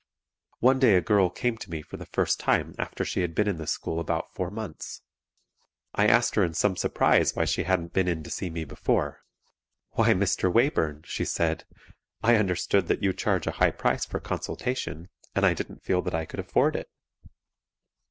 One day a girl came to me for the first time after she had been in the school about four months. I asked her in some surprise why she hadn't been in to see me before. "Why, Mr. Wayburn," she said, "I understood that you charge a high price for consultation, and I didn't feel that I could afford it."